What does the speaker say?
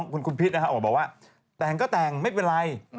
คุณพิษออกมาบอกว่าแต่งก็แต่งไม่เป็นไร